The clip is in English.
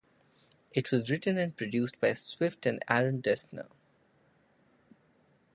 It was written and produced by Swift and Aaron Dessner.